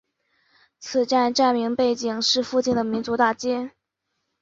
此站站名背景是附近的民族大街。